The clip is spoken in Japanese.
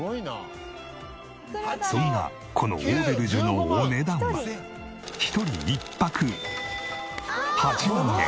そんなこのオーベルジュのお値段は１人１泊８万円。